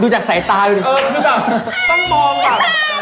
ดูจากสายตาดูดีกว่า